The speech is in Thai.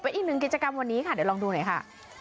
อีกหนึ่งกิจกรรมวันนี้ค่ะเดี๋ยวลองดูหน่อยค่ะ